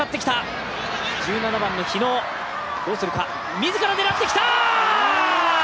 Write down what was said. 自ら狙ってきた！